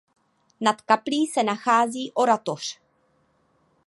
Nad kaplí se nachází oratoř.